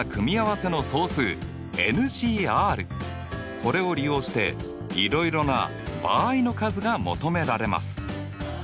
これを利用していろいろな場合の数が求められます。